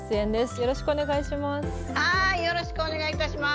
よろしくお願いします。